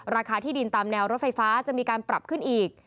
ราคาที่ดินตามแนวรถไฟฟ้าจะมีการปรับขึ้นอีก